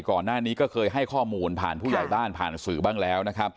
ก่อนหน้านี้ก็เคยให้ข้อมูลผ่านผู้ใหญ่ด้านผ่านหนังสือบ้างแล้ว